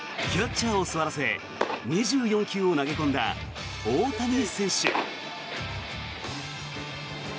キャッチャーを座らせ２４球を投げ込んだ大谷選手。